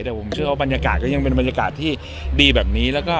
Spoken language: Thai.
แต่ผมเชื่อว่าบรรยากาศก็ยังเป็นบรรยากาศที่ดีแบบนี้